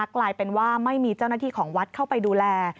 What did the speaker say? กลายเป็นว่าไม่มีเจ้าหน้าที่ของวัดเข้าไปดูแล